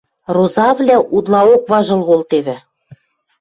Розавлӓ утлаок важыл колтевӹ.